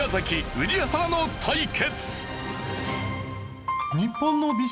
宇治原の対決。